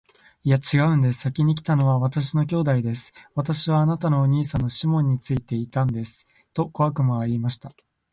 「いや、ちがうんです。先来たのは私の兄弟です。私はあなたの兄さんのシモンについていたんです。」と小悪魔は言いました。